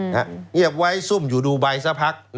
เงียบไว้ซุ่มอยู่ดูไบสักพัก